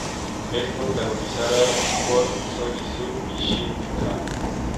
Es protagonizada por So Ji Sub y Shin Min Ah.